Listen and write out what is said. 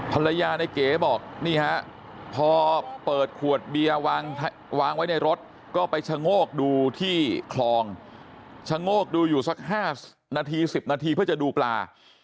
ภรรยาในเก๋บอกนี่ฮะพอเปิดขวดเบียร์วางไว้ในรถก็ไปชะโงกดูที่คลองชะโงกดูอยู่สัก๕นาที๑๐นาทีเพื่อจะดูปลา